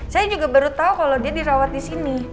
saya juga baru tahu kalau dia dirawat di sini